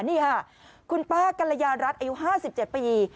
นี่ค่ะคุณป้ากัลยารัฐอายุ๕๗ปี